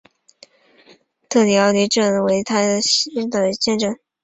特里沃利镇区为美国堪萨斯州埃尔斯沃思县辖下的镇区。